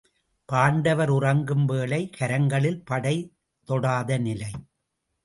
பாண்டவர் உறங்கும் வேளை, கரங்களில் படை தொடாத நிலை.